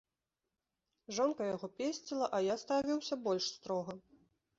Жонка яго песціла, а я ставіўся больш строга.